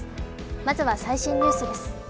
まずは最新ニュースです。